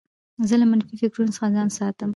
زه له منفي فکرو څخه ځان ساتم.